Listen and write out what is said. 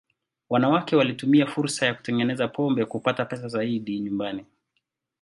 Wanawake walitumia fursa ya kutengeneza pombe kupata pesa zaidi nyumbani.